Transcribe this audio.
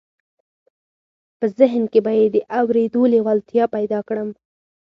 په ذهن کې به یې د اورېدو لېوالتیا پیدا کړم